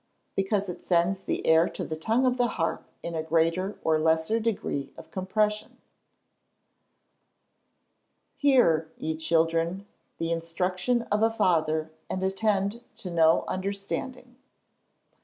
_ Because it sends the air to the tongue of the harp in a greater or lesser degree of compression. [Verse: "Hear, ye children, the instruction of a father, and attend to know understanding."